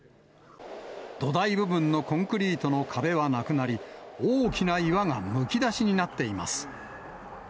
土台部分のコンクリートの壁はなくなり、大きな岩がむき出しになっています。